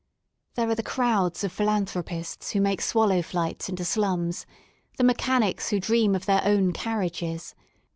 There are the crowds of philanthropists who make swallow flights into slums, the mechanics who dream of their own carriages.